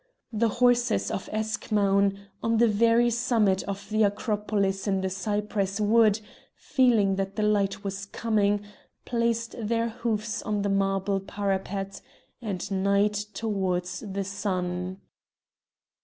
The horses of Eschmoun, on the very summit of the Acropolis in the cypress wood, feeling that the light was coming, placed their hoofs on the marble parapet, and neighed towards the sun.